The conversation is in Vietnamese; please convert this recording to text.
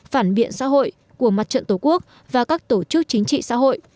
phản biện xã hội của mặt trận tổ quốc và các tổ chức chính trị xã hội